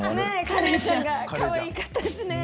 カレイちゃんがかわいかったですね。